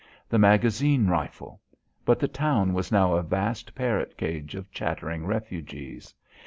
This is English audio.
The magazine rifle! But the town was now a vast parrot cage of chattering refugees.